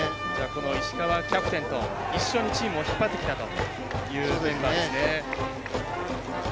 この石川キャプテンと一緒にチームを引っ張ってきたというメンバーですね。